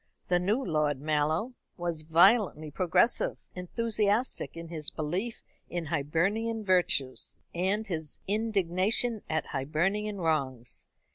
The new Lord Mallow was violently progressive, enthusiastic in his belief in Hibernian virtues, and his indignation at Hibernian wrongs.